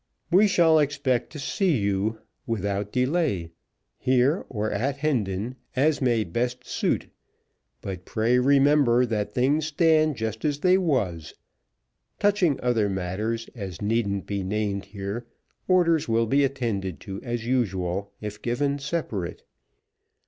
We shall expect to see you without delay, here or at Hendon, as may best suit; but pray remember that things stand just as they was. Touching other matters, as needn't be named here, orders will be attended to as usual if given separate.